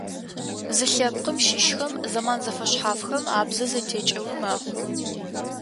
Зы лъэпкъым щыщхэм зэман зэфэшъхьафхэм абзэ зэтекӏэуи мэхъу.